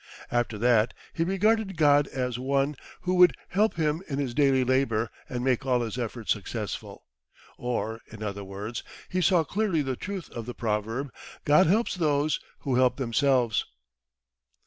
After that, he regarded God as One who would help him in his daily labour and make all his efforts successful. Or, in other words, he saw clearly the truth of the proverb: "God helps those who help themselves."